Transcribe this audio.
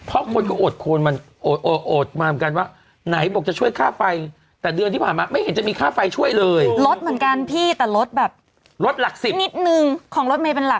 รถหลัก๑๐นิดหนึ่งของรถเมล์เป็นหลัก๑๐๐ค่ะแต่ค่าไฟสูงปี๊ดเลยเดือนที่ผ่านมา